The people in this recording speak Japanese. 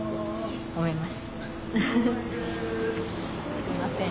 すいません。